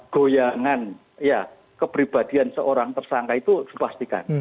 goyangan ya kepribadian seorang tersangka itu dipastikan